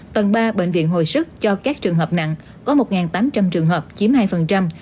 tầng ba bệnh viện hồi sức cho các trường hợp nặng có một tám trăm linh trường hợp chiếm hai